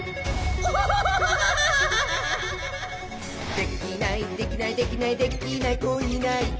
「できないできないできないできない子いないか」